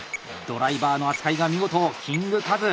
ドライバーの扱いが見事キングカズ。